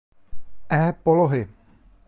E polohy.